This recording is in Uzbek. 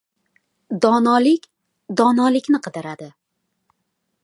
• Donolik donolikni qidiradi.